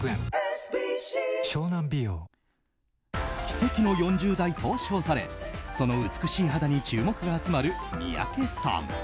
奇跡の４０代と称されその美しい肌に注目が集まる三宅さん。